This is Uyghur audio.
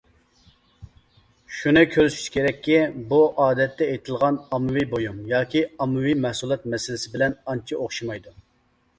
شۇنى كۆرسىتىش كېرەككى، بۇ ئادەتتە ئېيتىلىدىغان »ئاممىۋى بويۇم« ياكى »ئاممىۋى مەھسۇلات« مەسىلىسى بىلەن ئانچە ئوخشىمايدۇ.